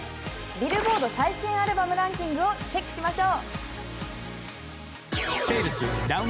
ビルボード最新アルバムランキングをチェックしましょう。